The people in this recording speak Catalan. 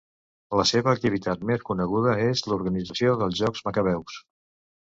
La seva activitat més coneguda és l'organització dels Jocs Macabeus.